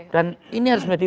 dan ini harus menjadi